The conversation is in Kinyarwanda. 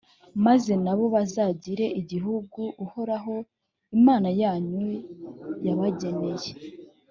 maze na bo bazagire igihugu uhoraho, imana yanyu, yabageneye.